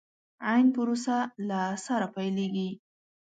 عين پروسه له سره پيلېږي.